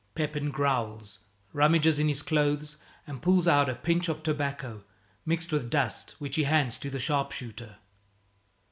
Pepin growls, rummages in his clothes, and pulls out a pinch of tobacco, mixed with dust, which he hands to the sharpshooter.